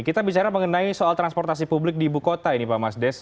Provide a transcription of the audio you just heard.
kita bicara mengenai soal transportasi publik di ibu kota ini pak mas des